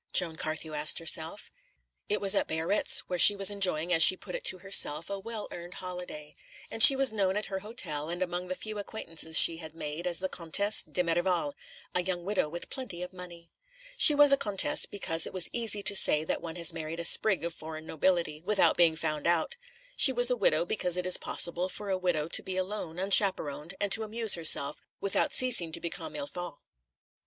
Joan Carthew asked herself. It was at Biarritz, where she was enjoying, as she put it to herself, a well earned holiday; and she was known at her hotel, and among the few acquaintances she had made, as the Comtesse de Merival, a young widow with plenty of money. She was a Comtesse because it is easy to say that one has married a sprig of foreign nobility, without being found out; she was a widow because it is possible for a widow to be alone, unchaperoned, and to amuse herself without ceasing to be comme il faut.